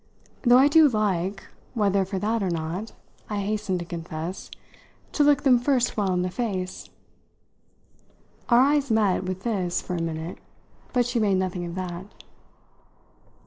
"Though I do like whether for that or not," I hastened to confess, "to look them first well in the face." Our eyes met, with this, for a minute, but she made nothing of that.